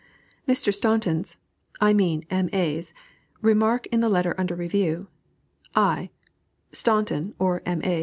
Mr. Staunton's (I mean "M. A.'s") remark in the letter under review, "I (Staunton or 'M. A.'